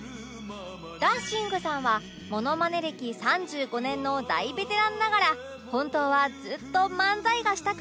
ダンシングさんはモノマネ歴３５年の大ベテランながら本当はずっと漫才がしたくて